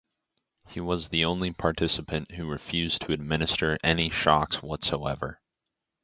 He was the only participant who refused to administer any shocks whatsoever.